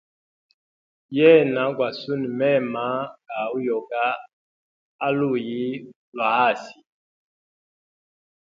Yena gwa sune mema ga uyoga aluyi lwa asi.